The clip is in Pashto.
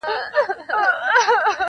• نه بارونه د چا وړې نه به نوکر یې -